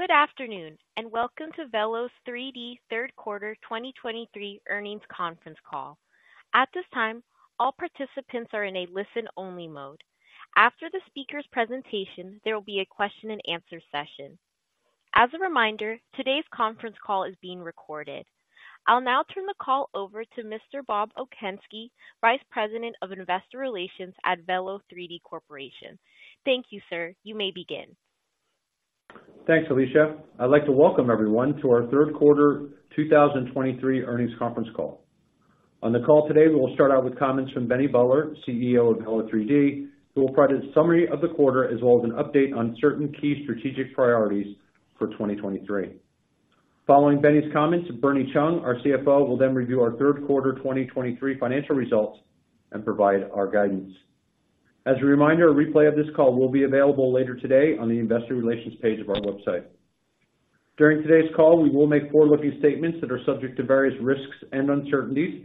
Good afternoon, and welcome to Velo3D's third quarter 2023 earnings conference call. At this time, all participants are in a listen-only mode. After the speaker's presentation, there will be a question and answer session. As a reminder, today's conference call is being recorded. I'll now turn the call over to Mr. Bob Okunski, Vice President of Investor Relations at Velo3D Corporation. Thank you, sir. You may begin. Thanks, Alicia. I'd like to welcome everyone to our third quarter 2023 earnings conference call. On the call today, we will start out with comments from Benny Buller, CEO of Velo3D, who will provide a summary of the quarter as well as an update on certain key strategic priorities for 2023. Following Benny's comments, Bernie Chung, our CFO, will then review our third quarter 2023 financial results and provide our guidance. As a reminder, a replay of this call will be available later today on the investor relations page of our website. During today's call, we will make forward-looking statements that are subject to various risks and uncertainties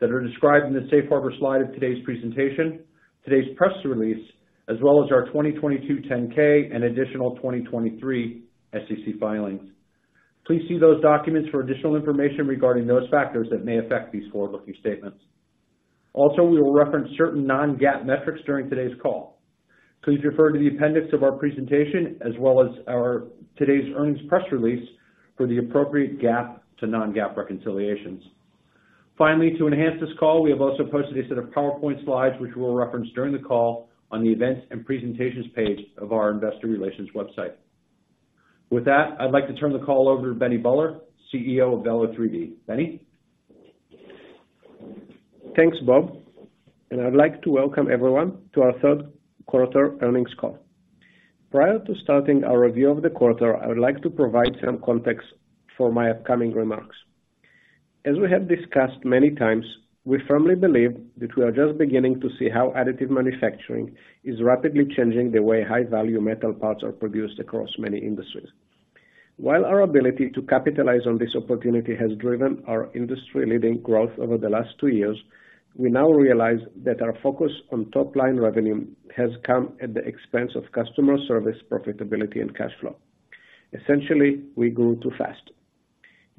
that are described in the Safe Harbor slide of today's presentation, today's press release, as well as our 2022 10-K and additional 2023 SEC filings. Please see those documents for additional information regarding those factors that may affect these forward-looking statements. Also, we will reference certain non-GAAP metrics during today's call. Please refer to the appendix of our presentation as well as our today's earnings press release for the appropriate GAAP to non-GAAP reconciliations. Finally, to enhance this call, we have also posted a set of PowerPoint slides, which we'll reference during the call on the events and presentations page of our investor relations website. With that, I'd like to turn the call over to Benny Buller, CEO of Velo3D. Benny? Thanks, Bob, and I'd like to welcome everyone to our third quarter earnings call. Prior to starting our review of the quarter, I would like to provide some context for my upcoming remarks. As we have discussed many times, we firmly believe that we are just beginning to see how additive manufacturing is rapidly changing the way high-value metal parts are produced across many industries. While our ability to capitalize on this opportunity has driven our industry-leading growth over the last two years, we now realize that our focus on top-line revenue has come at the expense of customer service, profitability, and cash flow. Essentially, we grew too fast.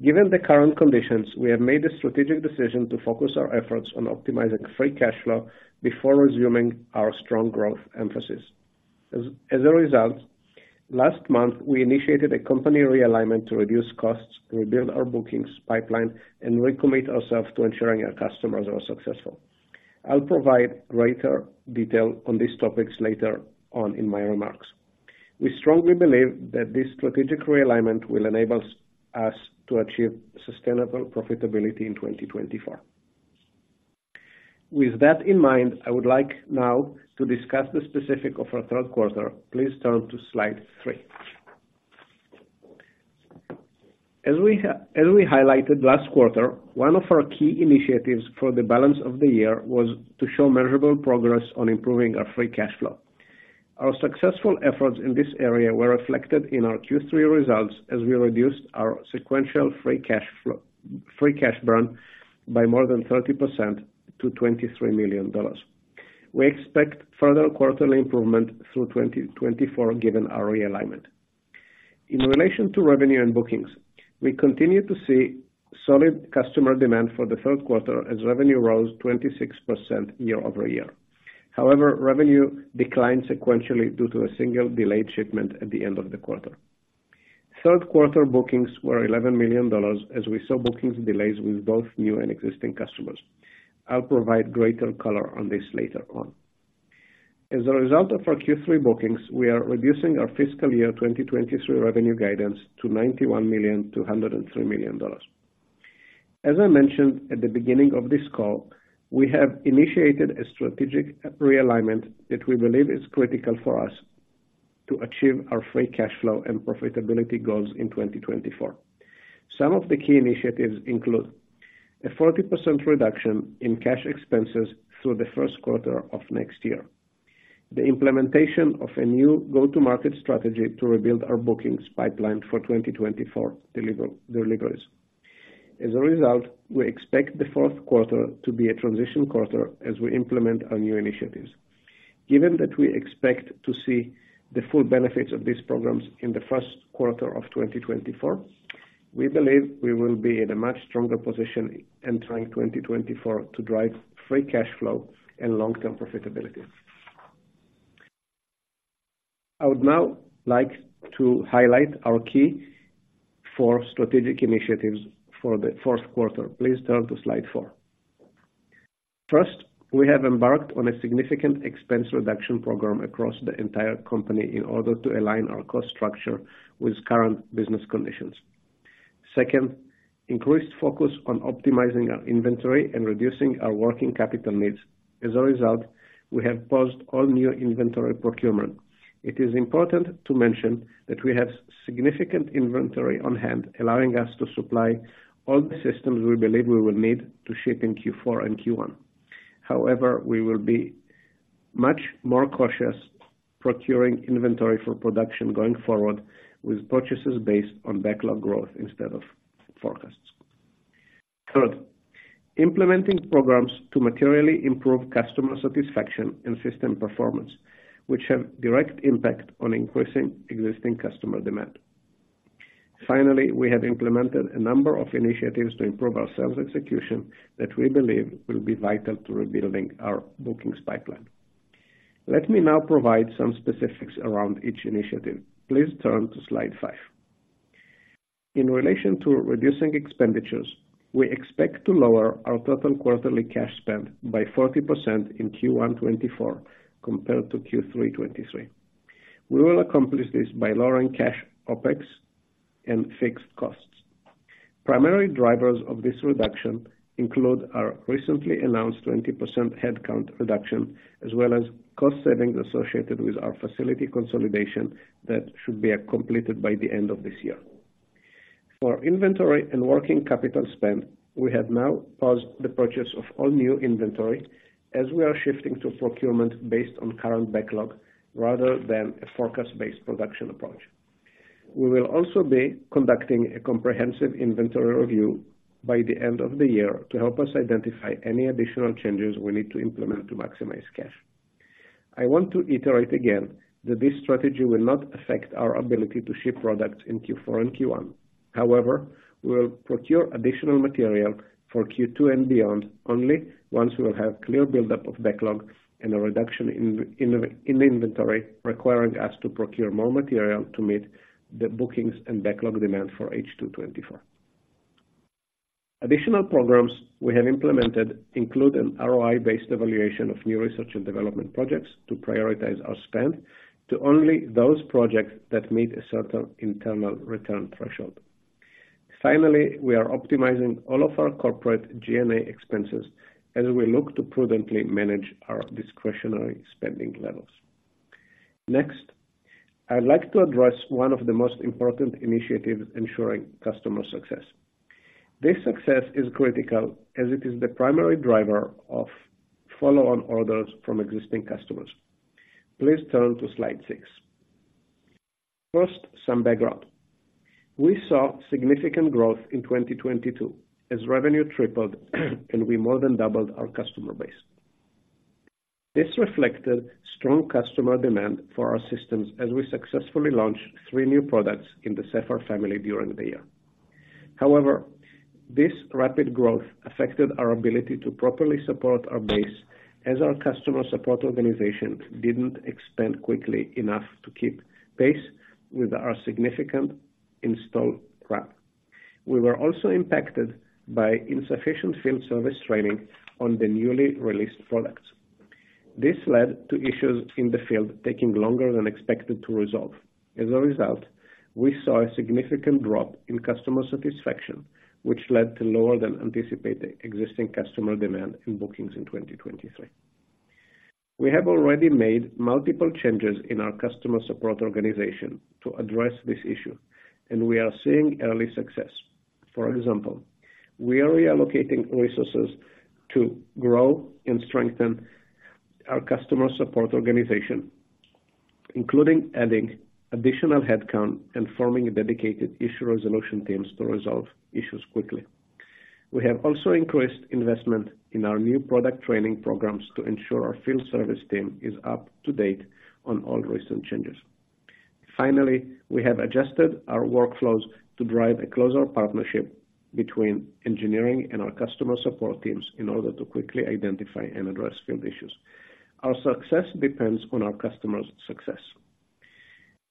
Given the current conditions, we have made a strategic decision to focus our efforts on optimizing free cash flow before resuming our strong growth emphasis. As a result, last month, we initiated a company realignment to reduce costs, rebuild our bookings pipeline, and recommit ourselves to ensuring our customers are successful. I'll provide greater detail on these topics later on in my remarks. We strongly believe that this strategic realignment will enable us to achieve sustainable profitability in 2024. With that in mind, I would like now to discuss the specifics of our third quarter. Please turn to slide 3. As we highlighted last quarter, one of our key initiatives for the balance of the year was to show measurable progress on improving our free cash flow. Our successful efforts in this area were reflected in our Q3 results, as we reduced our sequential free cash flow, free cash burn by more than 30% to $23 million. We expect further quarterly improvement through 2024, given our realignment. In relation to revenue and bookings, we continue to see solid customer demand for the third quarter as revenue rose 26% year-over-year. However, revenue declined sequentially due to a single delayed shipment at the end of the quarter. Third quarter bookings were $11 million, as we saw bookings delays with both new and existing customers. I'll provide greater color on this later on. As a result of our Q3 bookings, we are reducing our fiscal year 2023 revenue guidance to $91 million-$103 million. As I mentioned at the beginning of this call, we have initiated a strategic realignment that we believe is critical for us to achieve our free cash flow and profitability goals in 2024. Some of the key initiatives include: a 40% reduction in cash expenses through the first quarter of next year. The implementation of a new go-to-market strategy to rebuild our bookings pipeline for 2024 deliver, deliveries. As a result, we expect the fourth quarter to be a transition quarter as we implement our new initiatives. Given that we expect to see the full benefits of these programs in the first quarter of 2024, we believe we will be in a much stronger position entering 2024 to drive free cash flow and long-term profitability. I would now like to highlight our key 4 strategic initiatives for the fourth quarter. Please turn to slide 4. First, we have embarked on a significant expense reduction program across the entire company in order to align our cost structure with current business conditions. Second, increased focus on optimizing our inventory and reducing our working capital needs. As a result, we have paused all new inventory procurement. It is important to mention that we have significant inventory on hand, allowing us to supply all the systems we believe we will need to ship in Q4 and Q1. However, we will be much more cautious procuring inventory for production going forward, with purchases based on backlog growth instead of forecasts... Third, implementing programs to materially improve customer satisfaction and system performance, which have direct impact on increasing existing customer demand. Finally, we have implemented a number of initiatives to improve our sales execution, that we believe will be vital to rebuilding our bookings pipeline. Let me now provide some specifics around each initiative. Please turn to slide five. In relation to reducing expenditures, we expect to lower our total quarterly cash spend by 40% in Q1 2024, compared to Q3 2023. We will accomplish this by lowering cash OpEx and fixed costs. Primary drivers of this reduction include our recently announced 20% headcount reduction, as well as cost savings associated with our facility consolidation that should be completed by the end of this year. For inventory and working capital spend, we have now paused the purchase of all new inventory as we are shifting to procurement based on current backlog rather than a forecast-based production approach. We will also be conducting a comprehensive inventory review by the end of the year to help us identify any additional changes we need to implement to maximize cash. I want to iterate again, that this strategy will not affect our ability to ship products in Q4 and Q1. However, we will procure additional material for Q2 and beyond, only once we will have clear buildup of backlog and a reduction in the inventory, requiring us to procure more material to meet the bookings and backlog demand for H2 2024. Additional programs we have implemented include an ROI-based evaluation of new research and development projects, to prioritize our spend to only those projects that meet a certain internal return threshold. Finally, we are optimizing all of our corporate G&A expenses as we look to prudently manage our discretionary spending levels. Next, I'd like to address one of the most important initiatives: ensuring customer success. This success is critical as it is the primary driver of follow-on orders from existing customers. Please turn to slide 6. First, some background. We saw significant growth in 2022 as revenue tripled, and we more than doubled our customer base. This reflected strong customer demand for our systems as we successfully launched three new products in the Sapphire family during the year. However, this rapid growth affected our ability to properly support our base, as our customer support organization didn't expand quickly enough to keep pace with our significant install growth. We were also impacted by insufficient field service training on the newly released products. This led to issues in the field taking longer than expected to resolve. As a result, we saw a significant drop in customer satisfaction, which led to lower than anticipated existing customer demand in bookings in 2023. We have already made multiple changes in our customer support organization to address this issue, and we are seeing early success. For example, we are reallocating resources to grow and strengthen our customer support organization, including adding additional headcount and forming dedicated issue resolution teams to resolve issues quickly. We have also increased investment in our new product training programs to ensure our field service team is up-to-date on all recent changes. Finally, we have adjusted our workflows to drive a closer partnership between engineering and our customer support teams, in order to quickly identify and address field issues. Our success depends on our customers' success.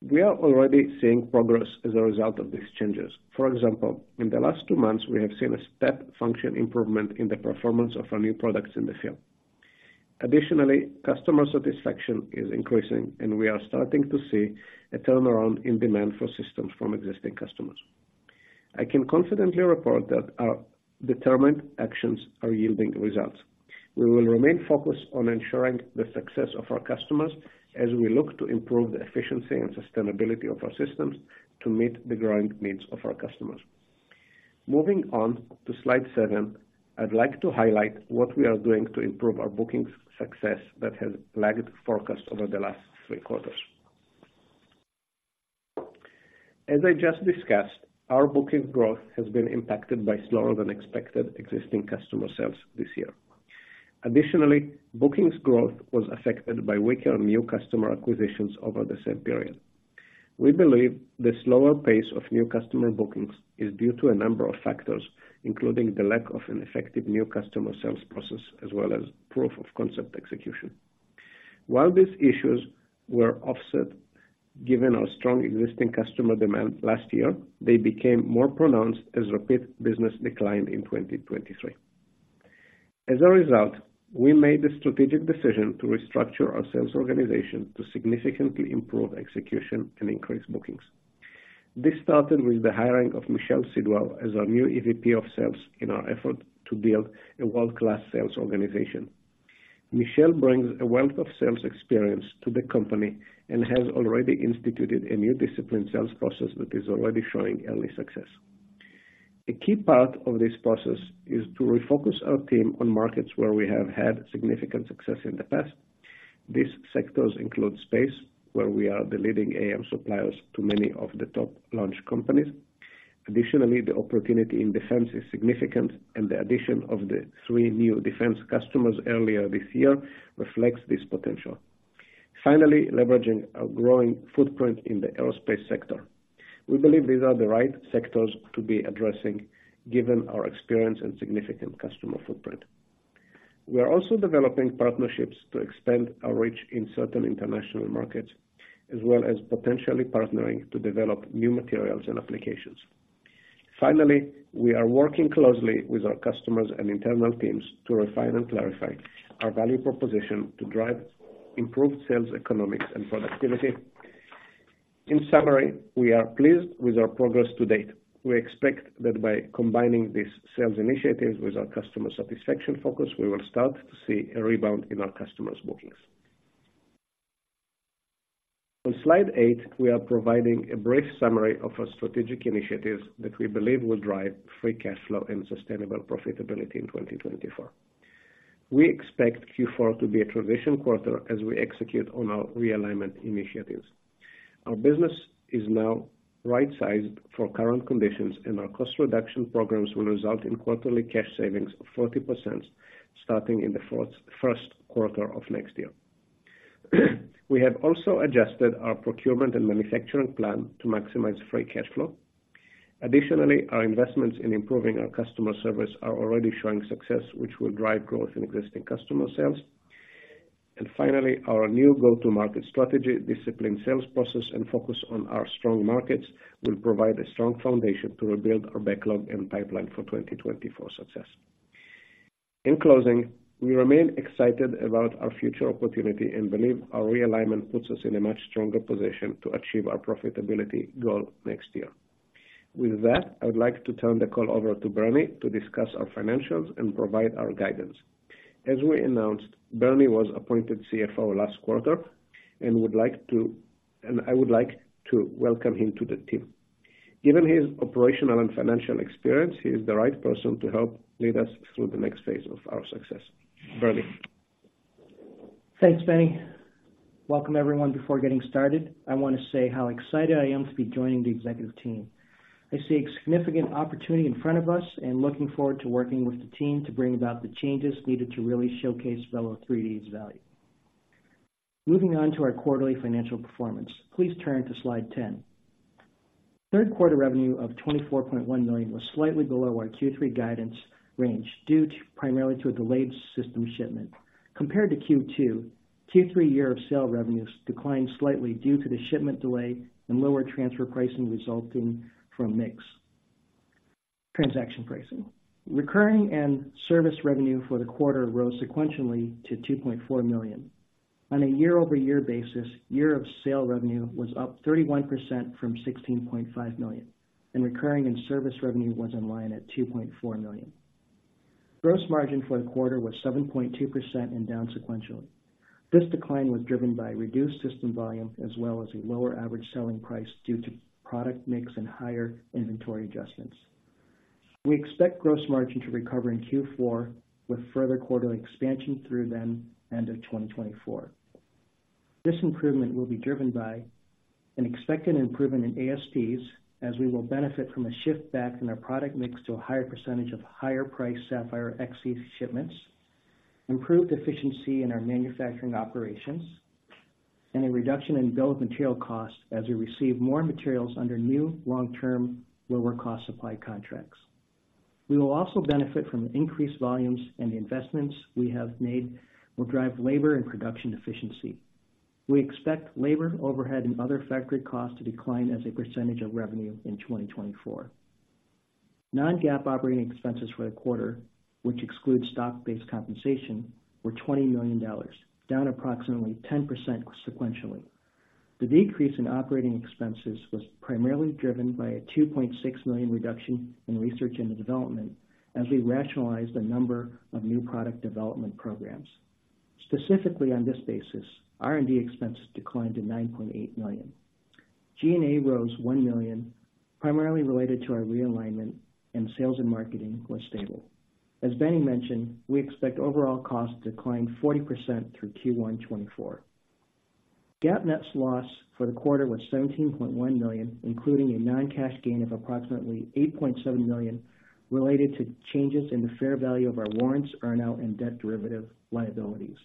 We are already seeing progress as a result of these changes. For example, in the last two months, we have seen a step function improvement in the performance of our new products in the field. Additionally, customer satisfaction is increasing, and we are starting to see a turnaround in demand for systems from existing customers. I can confidently report that our determined actions are yielding results. We will remain focused on ensuring the success of our customers, as we look to improve the efficiency and sustainability of our systems to meet the growing needs of our customers. Moving on to slide 7, I'd like to highlight what we are doing to improve our bookings success that has lagged forecast over the last three quarters. As I just discussed, our bookings growth has been impacted by slower than expected existing customer sales this year. Additionally, bookings growth was affected by weaker new customer acquisitions over the same period. We believe the slower pace of new customer bookings is due to a number of factors, including the lack of an effective new customer sales process, as well as proof of concept execution. While these issues were offset, given our strong existing customer demand last year, they became more pronounced as repeat business declined in 2023. As a result, we made the strategic decision to restructure our sales organization to significantly improve execution and increase bookings. This started with the hiring of Michelle Sidwell as our new EVP of Sales in our effort to build a world-class sales organization. Michelle brings a wealth of sales experience to the company and has already instituted a new discipline sales process that is already showing early success. A key part of this process is to refocus our team on markets where we have had significant success in the past.... These sectors include space, where we are the leading AM suppliers to many of the top launch companies. Additionally, the opportunity in defense is significant, and the addition of the three new defense customers earlier this year reflects this potential. Finally, leveraging our growing footprint in the aerospace sector, we believe these are the right sectors to be addressing, given our experience and significant customer footprint. We are also developing partnerships to expand our reach in certain international markets, as well as potentially partnering to develop new materials and applications. Finally, we are working closely with our customers and internal teams to refine and clarify our value proposition to drive improved sales, economics, and productivity. In summary, we are pleased with our progress to date. We expect that by combining these sales initiatives with our customer satisfaction focus, we will start to see a rebound in our customers' bookings. On Slide 8, we are providing a brief summary of our strategic initiatives that we believe will drive free cash flow and sustainable profitability in 2024. We expect Q4 to be a transition quarter as we execute on our realignment initiatives. Our business is now right-sized for current conditions, and our cost reduction programs will result in quarterly cash savings of 40%, starting in the fourth, first quarter of next year. We have also adjusted our procurement and manufacturing plan to maximize free cash flow. Additionally, our investments in improving our customer service are already showing success, which will drive growth in existing customer sales. And finally, our new go-to-market strategy, disciplined sales process, and focus on our strong markets will provide a strong foundation to rebuild our backlog and pipeline for 2024 success. In closing, we remain excited about our future opportunity and believe our realignment puts us in a much stronger position to achieve our profitability goal next year. With that, I would like to turn the call over to Bernie to discuss our financials and provide our guidance. As we announced, Bernie was appointed CFO last quarter and I would like to welcome him to the team. Given his operational and financial experience, he is the right person to help lead us through the next phase of our success. Bernie? Thanks, Benny. Welcome, everyone. Before getting started, I want to say how excited I am to be joining the executive team. I see a significant opportunity in front of us, and looking forward to working with the team to bring about the changes needed to really showcase Velo3D's value. Moving on to our quarterly financial performance, please turn to slide 10. Third quarter revenue of $24.1 million was slightly below our Q3 guidance range, due to, primarily to a delayed system shipment. Compared to Q2, Q3 system sales revenues declined slightly due to the shipment delay and lower transfer pricing resulting from mix transaction pricing. Recurring and service revenue for the quarter rose sequentially to $2.4 million. On a year-over-year basis, year of sale revenue was up 31% from $16.5 million, and recurring and service revenue was in line at $2.4 million. Gross margin for the quarter was 7.2% and down sequentially. This decline was driven by reduced system volume as well as a lower average selling price due to product mix and higher inventory adjustments. We expect gross margin to recover in Q4 with further quarterly expansion through the end of 2024. This improvement will be driven by an expected improvement in ASPs, as we will benefit from a shift back in our product mix to a higher percentage of higher price Sapphire XC shipments, improved efficiency in our manufacturing operations, and a reduction in bill of material costs as we receive more materials under new long-term, lower cost supply contracts. We will also benefit from increased volumes, and the investments we have made will drive labor and production efficiency. We expect labor, overhead, and other factory costs to decline as a percentage of revenue in 2024. Non-GAAP operating expenses for the quarter, which excludes stock-based compensation, were $20 million, down approximately 10% sequentially. The decrease in operating expenses was primarily driven by a $2.6 million reduction in research and development as we rationalized a number of new product development programs. Specifically, on this basis, R&D expenses declined to $9.8 million. G&A rose $1 million, primarily related to our realignment, and sales and marketing was stable. As Benny mentioned, we expect overall costs to decline 40% through Q1 2024. GAAP net loss for the quarter was $17.1 million, including a non-cash gain of approximately $8.7 million, related to changes in the fair value of our warrants, earnout, and debt derivative liabilities.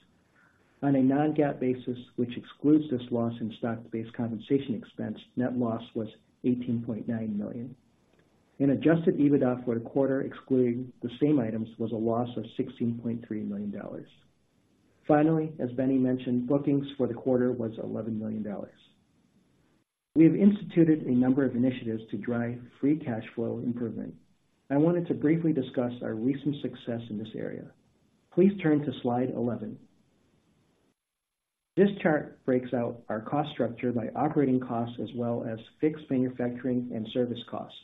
On a non-GAAP basis, which excludes this loss in stock-based compensation expense, net loss was $18.9 million. Adjusted EBITDA for the quarter, excluding the same items, was a loss of $16.3 million. Finally, as Benny mentioned, bookings for the quarter was $11 million. We have instituted a number of initiatives to drive free cash flow improvement. I wanted to briefly discuss our recent success in this area. Please turn to slide 11. This chart breaks out our cost structure by operating costs as well as fixed manufacturing and service costs.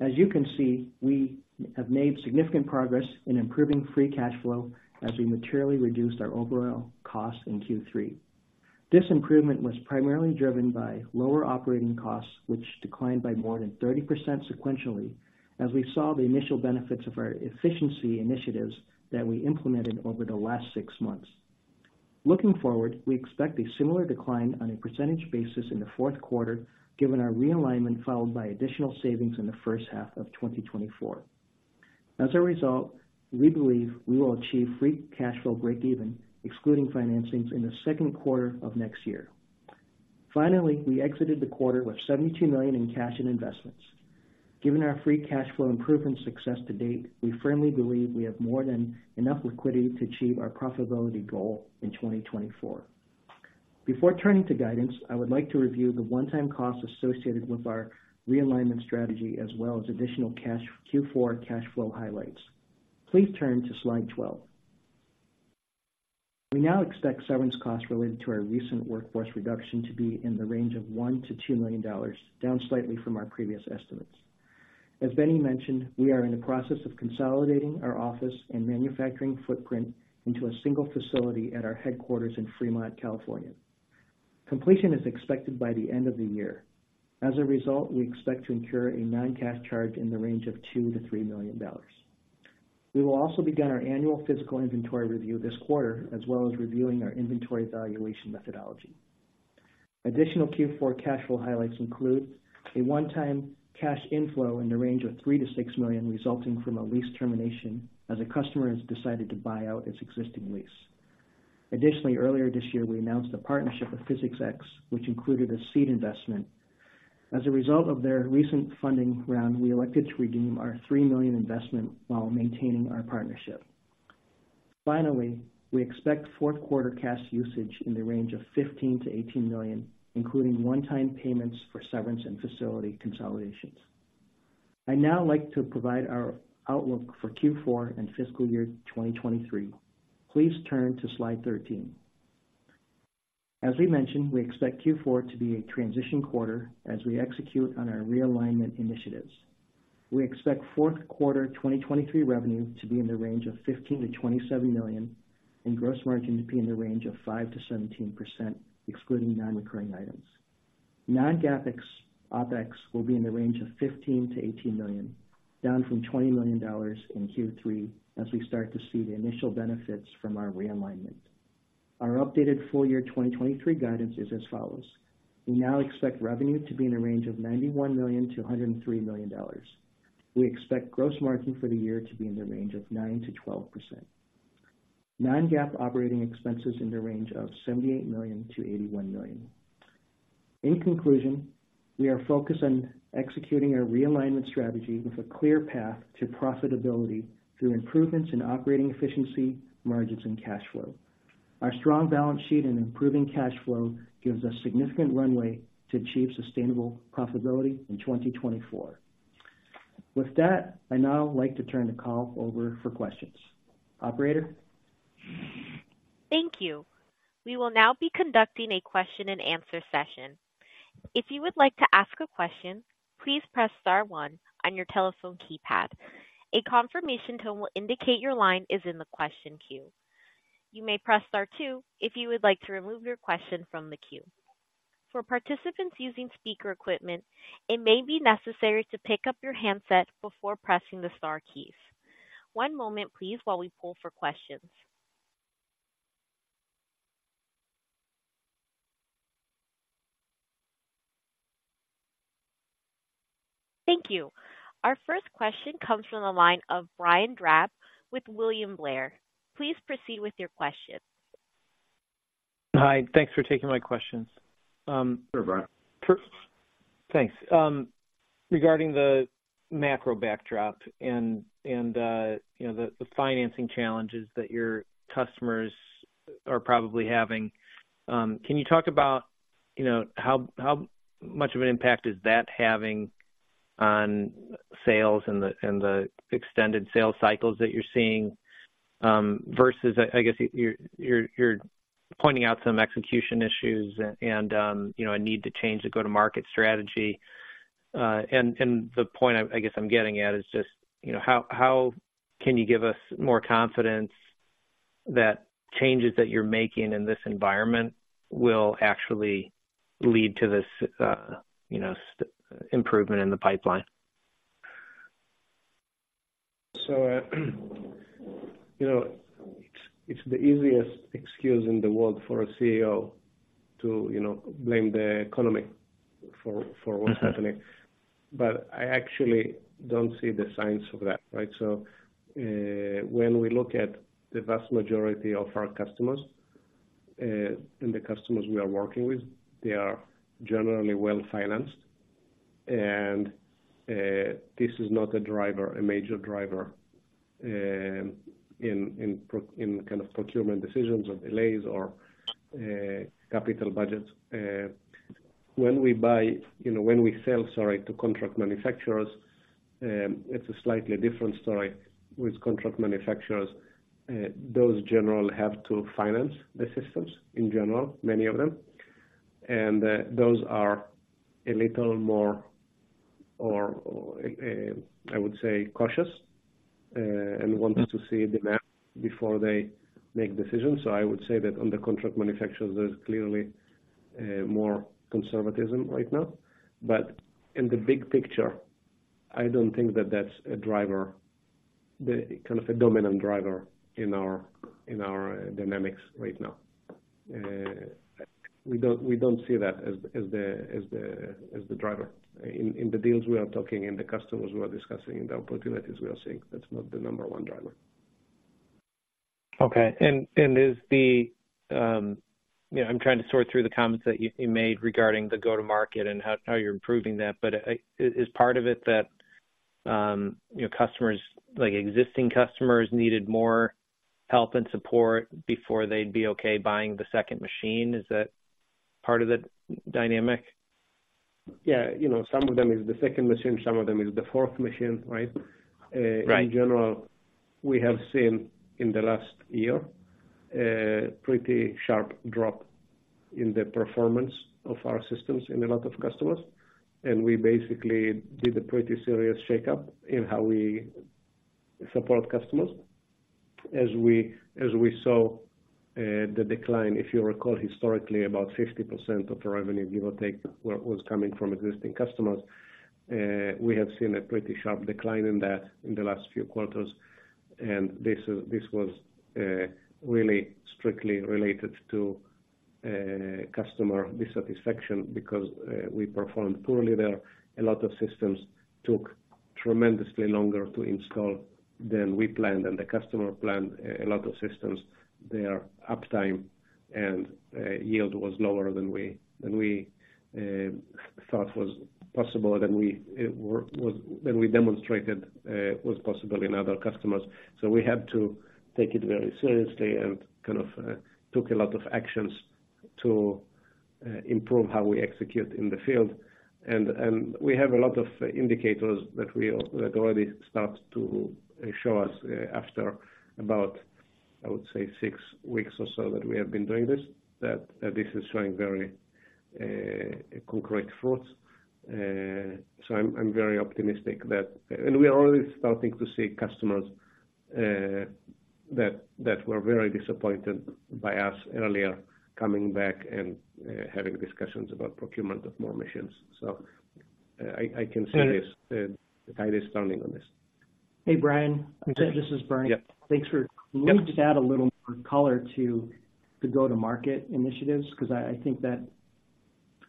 As you can see, we have made significant progress in improving Free Cash Flow as we materially reduced our overall costs in Q3. This improvement was primarily driven by lower operating costs, which declined by more than 30% sequentially, as we saw the initial benefits of our efficiency initiatives that we implemented over the last six months. Looking forward, we expect a similar decline on a percentage basis in the fourth quarter, given our realignment, followed by additional savings in the first half of 2024. As a result, we believe we will achieve Free Cash Flow breakeven, excluding financings, in the second quarter of next year. Finally, we exited the quarter with $72 million in cash and investments. Given our Free Cash Flow improvement success to date, we firmly believe we have more than enough liquidity to achieve our profitability goal in 2024. Before turning to guidance, I would like to review the one-time costs associated with our realignment strategy, as well as additional Q4 cash flow highlights. Please turn to slide 12. We now expect severance costs related to our recent workforce reduction to be in the range of $1-$2 million, down slightly from our previous estimates. As Benny mentioned, we are in the process of consolidating our office and manufacturing footprint into a single facility at our headquarters in Fremont, California. Completion is expected by the end of the year. As a result, we expect to incur a non-cash charge in the range of $2-$3 million. We will also begin our annual fiscal inventory review this quarter, as well as reviewing our inventory valuation methodology. Additional Q4 cash flow highlights include a one-time cash inflow in the range of $3 million-$6 million, resulting from a lease termination as a customer has decided to buy out its existing lease. Additionally, earlier this year, we announced a partnership with PhysicsX, which included a seed investment. As a result of their recent funding round, we elected to redeem our $3 million investment while maintaining our partnership. Finally, we expect fourth quarter cash usage in the range of $15 million-$18 million, including one-time payments for severance and facility consolidations. I'd now like to provide our outlook for Q4 and fiscal year 2023. Please turn to slide 13. As we mentioned, we expect Q4 to be a transition quarter as we execute on our realignment initiatives. We expect fourth quarter 2023 revenue to be in the range of $15 million-$27 million, and gross margin to be in the range of 5%-17%, excluding non-recurring items. Non-GAAP OpEx will be in the range of $15 million-$18 million, down from $20 million in Q3 as we start to see the initial benefits from our realignment. Our updated full year 2023 guidance is as follows: We now expect revenue to be in a range of $91 million-$103 million. We expect gross margin for the year to be in the range of 9%-12%. Non-GAAP operating expenses in the range of $78 million-$81 million. In conclusion, we are focused on executing our realignment strategy with a clear path to profitability through improvements in operating efficiency, margins, and cash flow. Our strong balance sheet and improving cash flow gives us significant runway to achieve sustainable profitability in 2024. With that, I'd now like to turn the call over for questions. Operator? Thank you. We will now be conducting a question and answer session. If you would like to ask a question, please press star one on your telephone keypad. A confirmation tone will indicate your line is in the question queue. You may press star two if you would like to remove your question from the queue. For participants using speaker equipment, it may be necessary to pick up your handset before pressing the star keys. One moment, please, while we pull for questions. Thank you. Our first question comes from the line of Brian Drab with William Blair. Please proceed with your question. Hi, thanks for taking my questions. Sure, Brian. Thanks. Regarding the macro backdrop and, you know, the financing challenges that your customers are probably having, can you talk about, you know, how much of an impact is that having on sales and the extended sales cycles that you're seeing, versus, I guess you're pointing out some execution issues and, you know, a need to change the go-to-market strategy. And the point I guess I'm getting at is just, you know, how can you give us more confidence that changes that you're making in this environment will actually lead to this, you know, improvement in the pipeline? So, you know, it's the easiest excuse in the world for a CEO to, you know, blame the economy for what's happening. But I actually don't see the signs of that, right? So, when we look at the vast majority of our customers and the customers we are working with, they are generally well-financed, and this is not a driver, a major driver, in kind of procurement decisions or delays or capital budgets. When we buy, you know, when we sell, sorry, to contract manufacturers, it's a slightly different story. With contract manufacturers, those generally have to finance the systems in general, many of them, and those are a little more cautious and wants to see the math before they make decisions. So I would say that on the contract manufacturers, there's clearly more conservatism right now. But in the big picture, I don't think that that's a driver, the kind of a dominant driver in our dynamics right now. We don't see that as the driver. In the deals we are talking, and the customers we are discussing, and the opportunities we are seeing, that's not the number one driver. Okay. And is the, you know, I'm trying to sort through the comments that you made regarding the go-to-market and how you're improving that. But, is part of it that, you know, customers, like existing customers, needed more help and support before they'd be okay buying the second machine? Is that part of the dynamic? Yeah, you know, some of them is the second machine, some of them is the fourth machine, right? Right. In general, we have seen in the last year a pretty sharp drop in the performance of our systems in a lot of customers. And we basically did a pretty serious shake-up in how we support customers. As we saw the decline, if you recall, historically, about 50% of the revenue, give or take, was coming from existing customers. We have seen a pretty sharp decline in that in the last few quarters, and this was really strictly related to customer dissatisfaction because we performed poorly there. A lot of systems took tremendously longer to install than we planned and the customer planned. A lot of systems, their uptime and yield was lower than we thought was possible, than we demonstrated was possible in other customers. So we had to take it very seriously and kind of took a lot of actions to improve how we execute in the field. And we have a lot of indicators that already start to show us after about, I would say, six weeks or so, that we have been doing this, that this is showing very concrete fruits. So I'm very optimistic that... And we are already starting to see customers that were very disappointed by us earlier, coming back and having discussions about procurement of more machines. So I can say this that I is standing on this. Hey, Brian, this is Brian. Yeah. Thanks for- Yep. Let me just add a little more color to the go-to-market initiatives, because I think that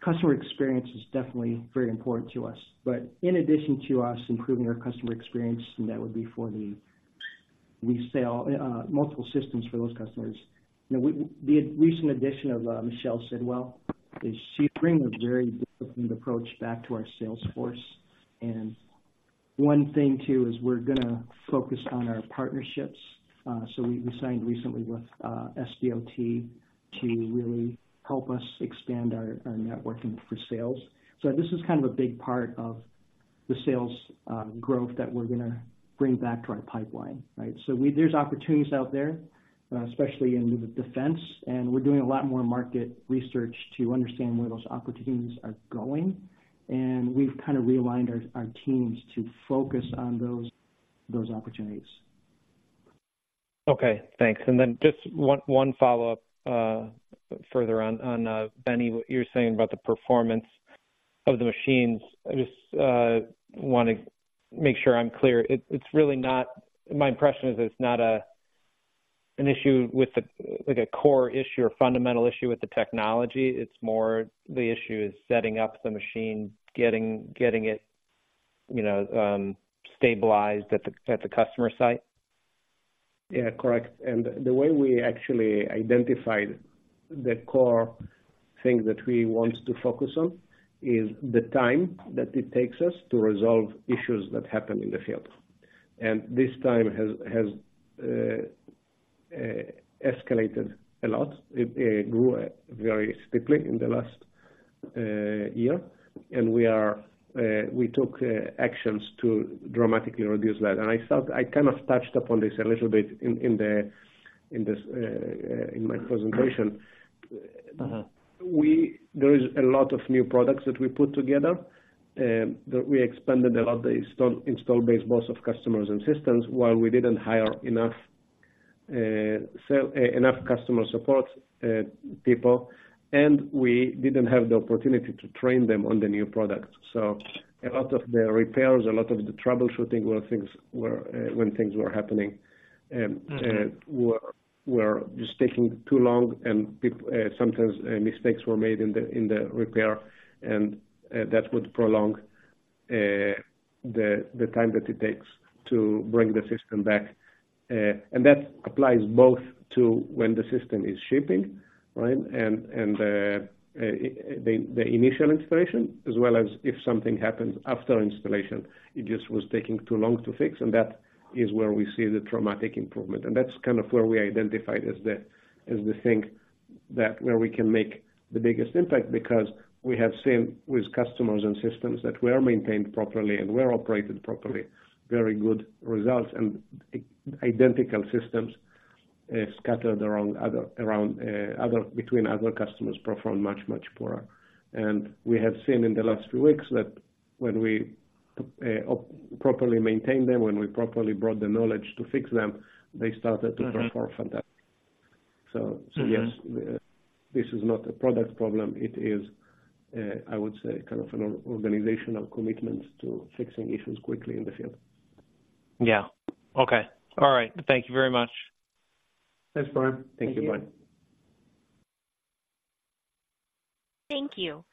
customer experience is definitely very important to us. But in addition to us improving our customer experience, and that would be for the resale, multiple systems for those customers. You know, the recent addition of Michelle Sidwell is she bring a very different approach back to our sales force. And one thing, too, is we're gonna focus on our partnerships. So we signed recently with SDOT to really help us expand our networking for sales. So this is kind of a big part of the sales growth that we're gonna bring back to our pipeline, right? So there's opportunities out there, especially in the defense, and we're doing a lot more market research to understand where those opportunities are going. We've kind of realigned our teams to focus on those opportunities. Okay, thanks. And then just one follow-up further on Benny, what you're saying about the performance of the machines. I just want to make sure I'm clear. It's really not... My impression is it's not a—like, a core issue or fundamental issue with the technology. It's more the issue is setting up the machine, getting it, you know, stabilized at the customer site. Yeah, correct. And the way we actually identified the core thing that we want to focus on is the time that it takes us to resolve issues that happen in the field. And this time has escalated a lot. It grew very steeply in the last year. And we took actions to dramatically reduce that. And I thought I kind of touched upon this a little bit in my presentation. Uh-huh. There is a lot of new products that we put together that we expanded a lot, the installed base, both of customers and systems, while we didn't hire enough customer support people, and we didn't have the opportunity to train them on the new product. So a lot of the repairs, a lot of the troubleshooting were things where when things were happening. Mm-hmm... we were just taking too long, and sometimes mistakes were made in the repair, and that would prolong the time that it takes to bring the system back. And that applies both to when the system is shipping, right? And the initial installation, as well as if something happens after installation, it just was taking too long to fix, and that is where we see the dramatic improvement. And that's kind of where we identified as the thing that, where we can make the biggest impact, because we have seen with customers and systems that were maintained properly and were operated properly, very good results, and identical systems... scattered around other, between other customers performed much poorer. We have seen in the last few weeks that when we properly maintained them, when we properly brought the knowledge to fix them, they started to perform fantastic. So, so yes, this is not a product problem. It is, I would say, kind of an organizational commitment to fixing issues quickly in the field. Yeah. Okay. All right. Thank you very much. Thanks, Brian. Thank you, bye. Thank you.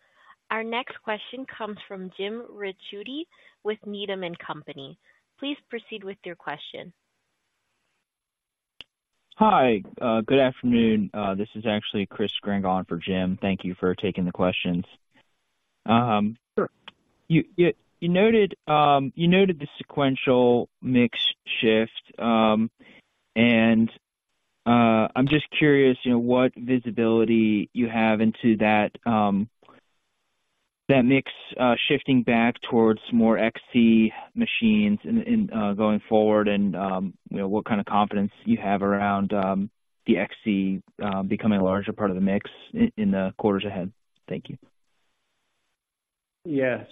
Our next question comes from Jim Ricchiuti with Needham & Company. Please proceed with your question. Hi, good afternoon. This is actually Chris in for Jim. Thank you for taking the questions. Sure. You noted the sequential mix shift, and I'm just curious, you know, what visibility you have into that mix shifting back towards more XC machines and going forward and you know, what kind of confidence you have around the XC becoming a larger part of the mix in the quarters ahead? Thank you. Yeah.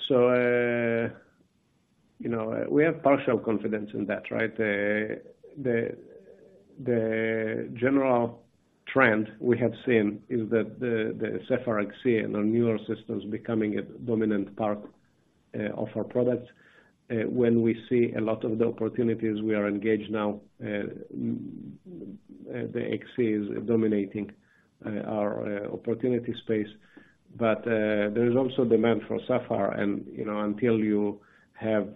You know, we have partial confidence in that, right? The general trend we have seen is that the newer systems are becoming a dominant part of our products. When we see a lot of the opportunities we are engaged now, the XC is dominating our opportunity space. There is also demand for Sapphire, and, you know, until you have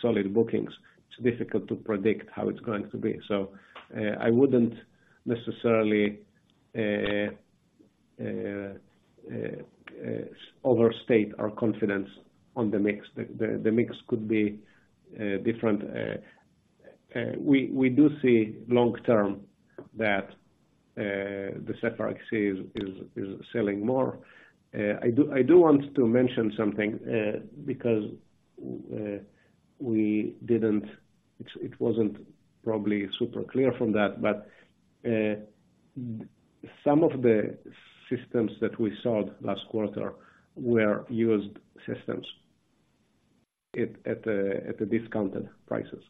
solid bookings, it's difficult to predict how it's going to be. I wouldn't necessarily overstate our confidence on the mix. The mix could be different. We do see long term that the is selling more. I do want to mention something, because we didn't... It wasn't probably super clear from that, but some of the systems that we sold last quarter were used systems at a discounted prices.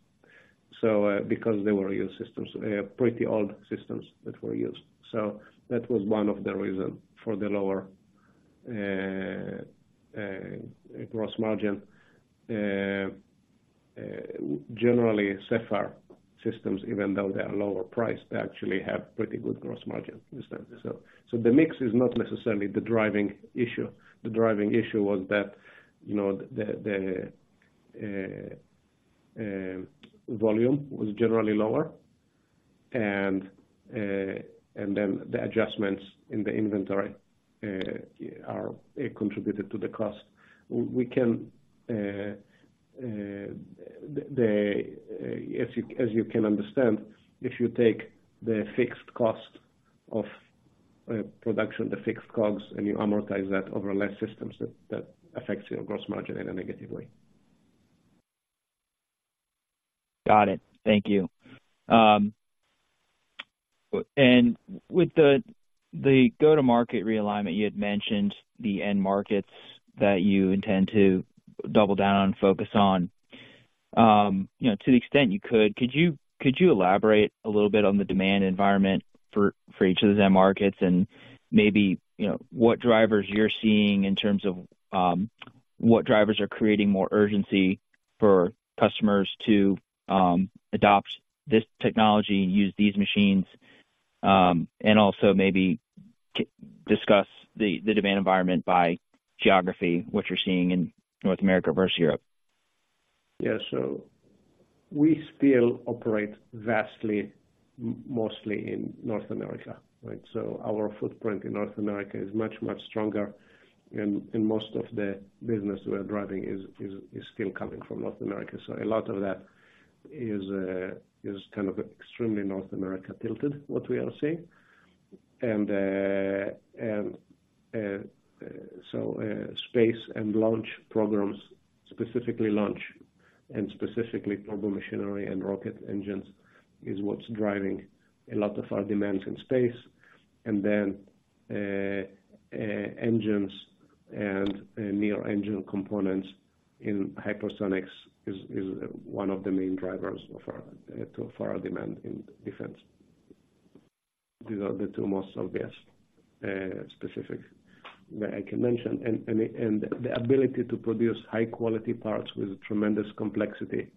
So, because they were used systems, pretty old systems that were used. So that was one of the reason for the lower gross margin. Generally, Sapphire systems, even though they are lower priced, they actually have pretty good gross margins. So the mix is not necessarily the driving issue. The driving issue was that, you know, the volume was generally lower, and then the adjustments in the inventory are contributed to the cost. We can, as you can understand, if you take the fixed cost of production, the fixed costs, and you amortize that over less systems, that affects your gross margin in a negative way. Got it. Thank you. And with the, the go-to-market realignment, you had mentioned the end markets that you intend to double down and focus on. You know, to the extent you could, could you elaborate a little bit on the demand environment for each of [inaudible] markets? And maybe, you know, what drivers you're seeing in terms of what drivers are creating more urgency for customers to adopt this technology and use these machines? And also maybe discuss the, the demand environment by geography, what you're seeing in North America versus Europe. Yeah. So we still operate vastly, mostly in North America, right? So our footprint in North America is much, much stronger, and most of the business we're driving is still coming from North America. So a lot of that is kind of extremely North America tilted, what we are seeing. And so space and launch programs, specifically launch and specifically turbomachinery and rocket engines, is what's driving a lot of our demands in space. And then engines and near engine components in hypersonics is one of the main drivers of our to our demand in defense. These are the two most obvious specific that I can mention. And the ability to produce high quality parts with tremendous complexity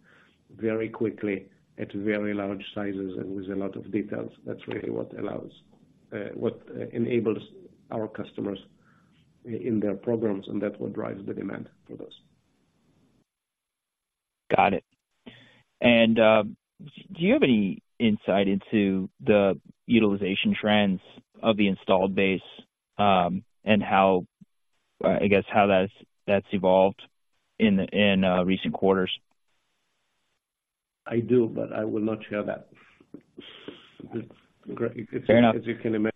very quickly, at very large sizes and with a lot of details, that's really what allows what enables our customers in their programs, and that's what drives the demand for those. Got it. And, do you have any insight into the utilization trends of the installed base, and how, I guess, how that's evolved in recent quarters? I do, but I will not share that. Fair enough. As you can imagine,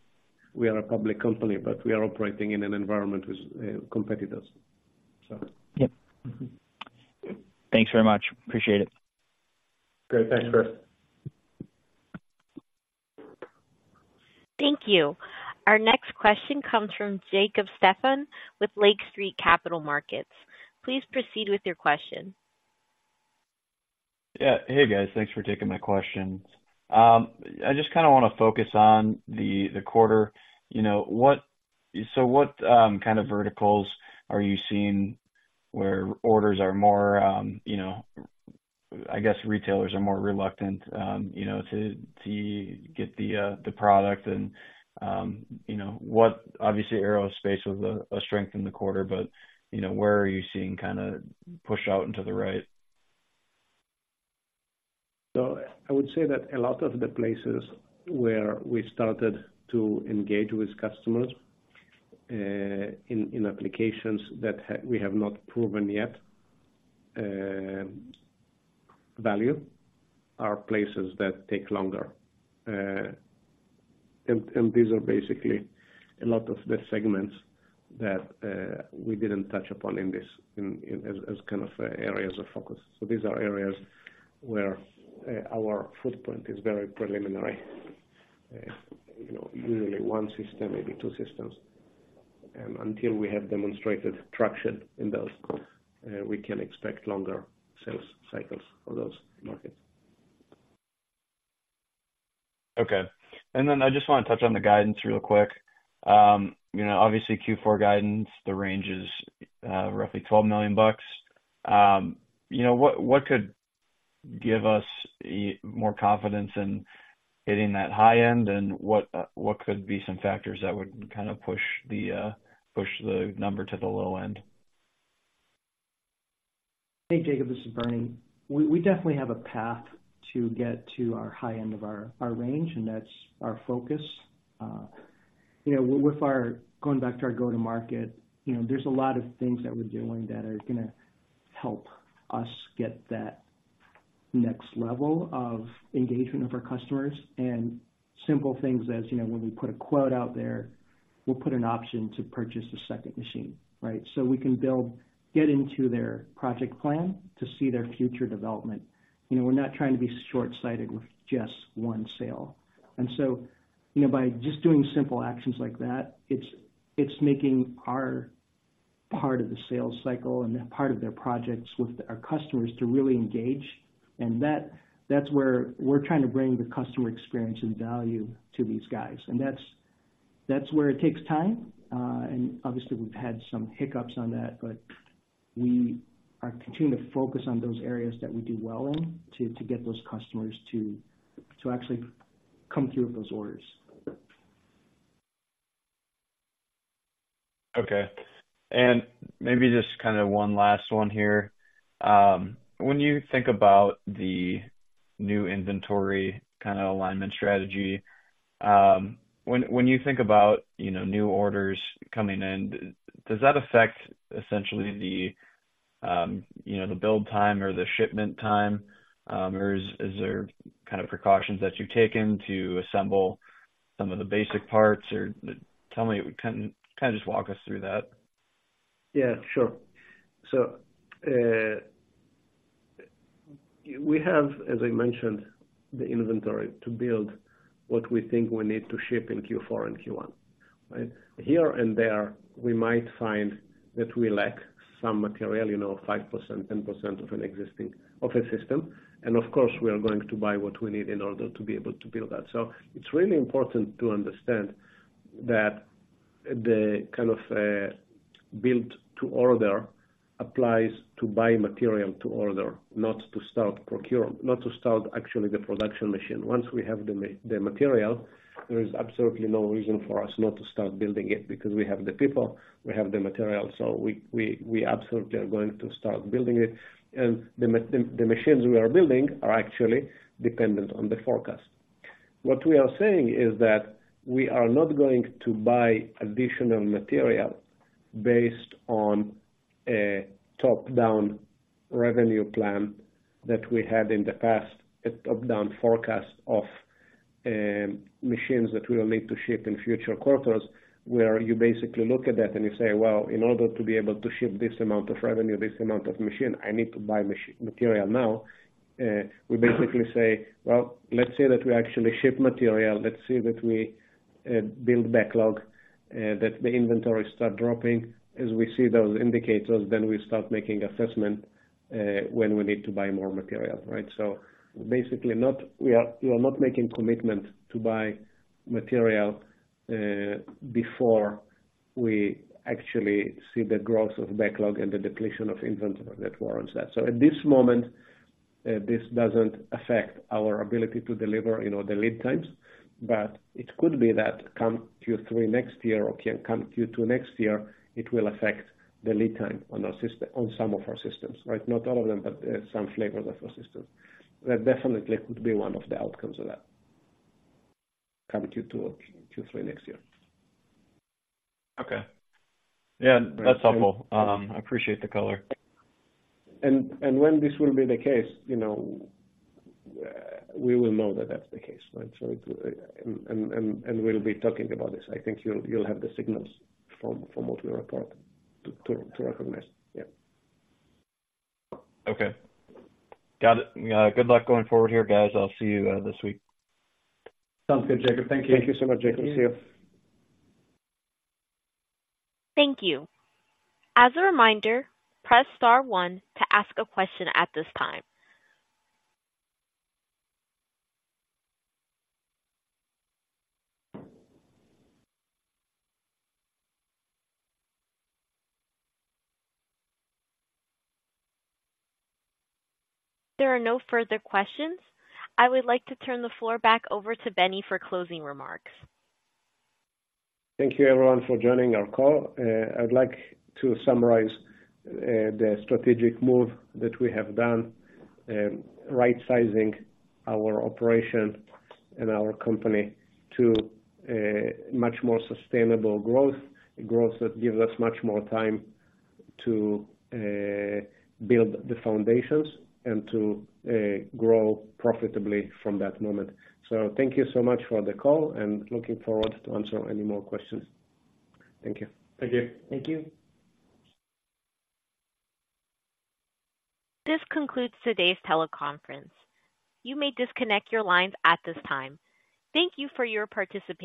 we are a public company, but we are operating in an environment with competitors.... Yep. Thanks very much. Appreciate it. Great. Thanks, Chris. Thank you. Our next question comes from Jacob Stephan with Lake Street Capital Markets. Please proceed with your question. Yeah. Hey, guys. Thanks for taking my questions. I just kind of want to focus on the quarter. You know, what - so what kind of verticals are you seeing where orders are more, you know, I guess, retailers are more reluctant, you know, to get the product? And, you know what? Obviously, aerospace was a strength in the quarter, but, you know, where are you seeing kind of push out into the right? So I would say that a lot of the places where we started to engage with customers in applications that we have not proven yet value are places that take longer. These are basically a lot of the segments that we didn't touch upon in this as kind of areas of focus. So these are areas where our footprint is very preliminary. You know, usually one system, maybe two systems. Until we have demonstrated traction in those, we can expect longer sales cycles for those markets. Okay. And then I just want to touch on the guidance real quick. You know, obviously, Q4 guidance, the range is roughly $12 million. You know, what could give us more confidence in hitting that high end? And what could be some factors that would kind of push the number to the low end? Hey, Jacob, this is Bernie. We definitely have a path to get to our high end of our range, and that's our focus. You know, with our... Going back to our go-to-market, you know, there's a lot of things that we're doing that are gonna help us get that next level of engagement of our customers. And simple things as, you know, when we put a quote out there, we'll put an option to purchase a second machine, right? So we can get into their project plan to see their future development. You know, we're not trying to be short-sighted with just one sale. And so, you know, by just doing simple actions like that, it's making our part of the sales cycle and part of their projects with our customers to really engage. And that's where we're trying to bring the customer experience and value to these guys, and that's where it takes time. And obviously, we've had some hiccups on that, but we are continuing to focus on those areas that we do well in, to get those customers to actually come through with those orders. Okay. Maybe just kind of one last one here. When you think about the new inventory kind of alignment strategy, when you think about, you know, new orders coming in, does that affect essentially the, you know, the build time or the shipment time? Or is there kind of precautions that you've taken to assemble some of the basic parts? Or tell me, kind of just walk us through that. Yeah, sure. So, we have, as I mentioned, the inventory to build what we think we need to ship in Q4 and Q1, right? Here and there, we might find that we lack some material, you know, 5%, 10% of an existing office system. And of course, we are going to buy what we need in order to be able to build that. So it's really important to understand that the kind of, build to order applies to buy material to order, not to start actually the production machine. Once we have the material, there is absolutely no reason for us not to start building it, because we have the people, we have the material, so we absolutely are going to start building it. The machines we are building are actually dependent on the forecast. What we are saying is that we are not going to buy additional material based on a top-down revenue plan that we had in the past, a top-down forecast of machines that we will need to ship in future quarters. Where you basically look at that and you say: Well, in order to be able to ship this amount of revenue, this amount of machine, I need to buy material now. We basically say: Well, let's say that we actually ship material. Let's say that we build backlog that the inventory start dropping. As we see those indicators, then we start making assessment when we need to buy more material, right? So basically not, we are not making commitment to buy material before we actually see the growth of backlog and the depletion of inventory that warrants that. So at this moment, this doesn't affect our ability to deliver, you know, the lead times, but it could be that come Q3 next year or can come Q2 next year, it will affect the lead time on our system, on some of our systems, right? Not all of them, but some flavors of our systems. That definitely could be one of the outcomes of that, come Q2 or Q3 next year. Okay. Yeah, that's helpful. I appreciate the color. When this will be the case, you know, we will know that that's the case, right? So, we'll be talking about this. I think you'll have the signals from what we report to recognize. Yeah. Okay. Got it. Good luck going forward here, guys. I'll see you this week. Sounds good, Jacob. Thank you. Thank you so much, Jacob. See you. Thank you. As a reminder, press star one to ask a question at this time. There are no further questions. I would like to turn the floor back over to Benny for closing remarks. Thank you, everyone, for joining our call. I'd like to summarize the strategic move that we have done, right-sizing our operation and our company to a much more sustainable growth. A growth that gives us much more time to build the foundations and to grow profitably from that moment. So thank you so much for the call, and looking forward to answer any more questions. Thank you. Thank you. Thank you. This concludes today's teleconference. You may disconnect your lines at this time. Thank you for your participation.